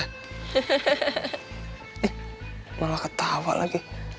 ih malah ketawa lagi